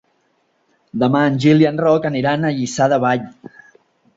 Demà en Gil i en Roc aniran a Lliçà de Vall.